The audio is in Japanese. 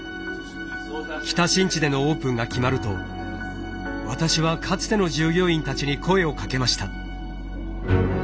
北新地でのオープンが決まると私はかつての従業員たちに声をかけました。